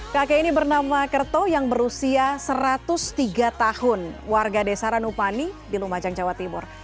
kakek ini bernama kerto yang berusia satu ratus tiga tahun warga desa ranupani di lumajang jawa timur